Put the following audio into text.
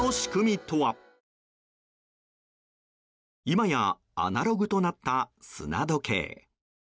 今やアナログとなった砂時計。